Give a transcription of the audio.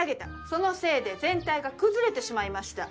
そのせいで全体が崩れてしまいました。